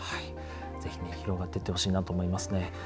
是非ね広がっていってほしいなと思いますね。